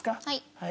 はい。